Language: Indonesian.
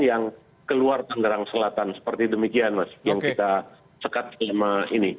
yang keluar tanggerang selatan seperti demikian mas yang kita sekat selama ini